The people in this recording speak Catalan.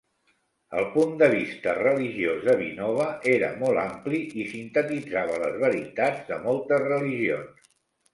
El punt de vista religiós de Vinoba era molt ampli i sintetitzava les veritats de moltes religions.